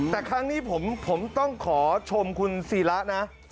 แต่ครั้งนี้ผมต้องขอชมคุณศิระนะ